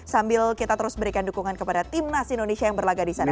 sambil kita terus berikan dukungan kepada tim nasi indonesia yang berlagak disana